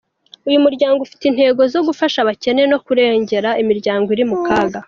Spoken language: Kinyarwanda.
Uyu muryango ufite intego zo gufasha abakene no kurengera imiryango iri mu kaga.